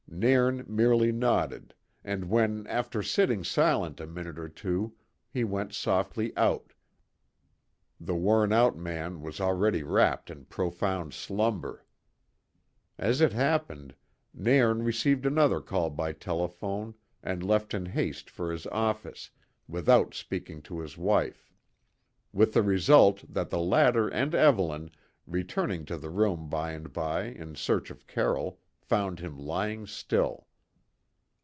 Nairn merely nodded, and when, after sitting silent a minute or two, he went softly out, the worn out man was already wrapped in profound slumber. As it happened, Nairn received another call by telephone and left in haste for his office, without speaking to his wife; with the result that the latter and Evelyn, returning to the room by and by in search of Carroll, found him lying still.